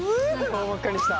顔真っ赤にした？